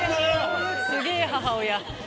すげぇ母親。